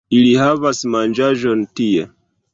Ili havas manĝaĵon tie